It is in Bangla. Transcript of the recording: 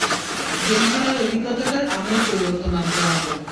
গেম খেলার অভিজ্ঞতাটার আমূল পরিবর্তন আনতে হবে!